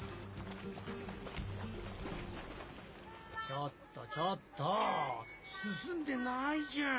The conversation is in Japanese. ちょっとちょっと進んでないじゃん。